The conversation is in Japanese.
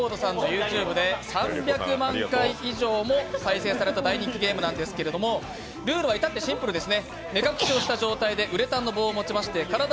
ガーリィレコードさんのＹｏｕＴｕｂｅで３００万回以上再生された大人気ゲームですが、ルールは至ってシンプルです。